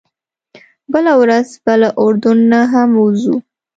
بله ورځ به له اردن نه هم ووځو.